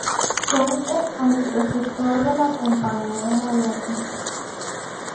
Son el antecesor de la compañía moderna.